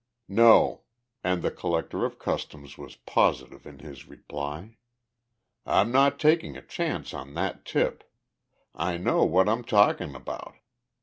"No," and the Collector of Customs was positive in his reply. "I'm not taking a chance on that tip. I know what I'm talking about.